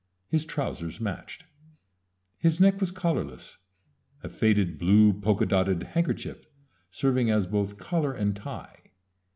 His trousers matched. His neck was collarless, a faded blue polka dotted handkerchief serving as both collar and tie.